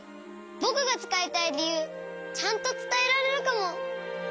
ぼくがつかいたいりゆうちゃんとつたえられるかも。